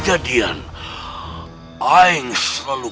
kau tidak bisa menang